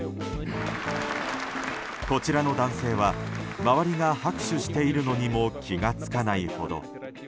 こちらの男性は周りが拍手しているのにも気が付かないほど。